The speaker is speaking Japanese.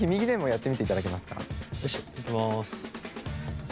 いきます。